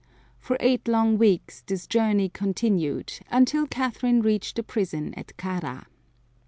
For eight long weeks this journey continued until Catherine reached the prison at Kara.